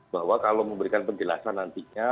bahwa kalau memberikan penjelasan nantinya